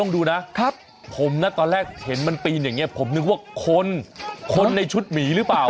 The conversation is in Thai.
ไม่รู้นะครับผมตอนแรกเห็นมันปีนอย่างนี้พูดว่าคนคนในชุดหรือเปล่า